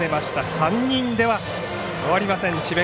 ３人では終わりません智弁